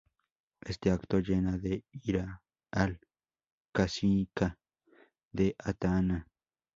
Este acto llena de ira al cacica de Ata-ana.